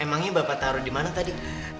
emangnya bapak taruh dimana tadi